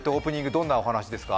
どんなお話ですか。